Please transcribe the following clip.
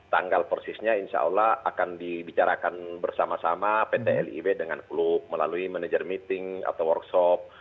tanggal persisnya insya allah akan dibicarakan bersama sama pt lib dengan klub melalui manager meeting atau workshop